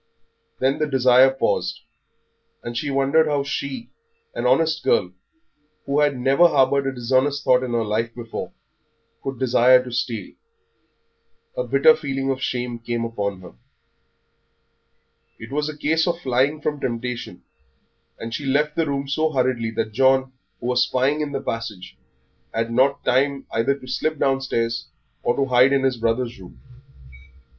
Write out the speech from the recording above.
Then the desire paused, and she wondered how she, an honest girl, who had never harboured a dishonest thought in her life before, could desire to steal; a bitter feeling of shame came upon her. It was a case of flying from temptation, and she left the room so hurriedly that John, who was spying in the passage, had not time either to slip downstairs or to hide in his brother's room.